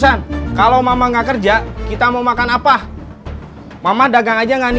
assalamualaikum mang ocan